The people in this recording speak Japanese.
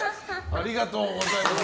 ありがとうございます。